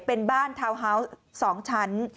เป็นบ้านทาวน์ฮาวส์๒ชั้น